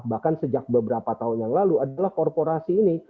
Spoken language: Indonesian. bahkan sejak beberapa tahun yang lalu adalah korporasi ini